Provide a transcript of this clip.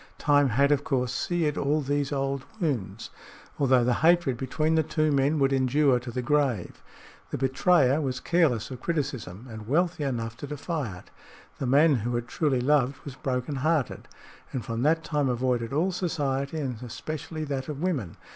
Time had, of course, seared all these old wounds, although the hatred between the two men would endure to the grave. The betrayer was careless of criticism and wealthy enough to defy it. The man who had truly loved was broken hearted, and from that time avoided all society and especially that of women.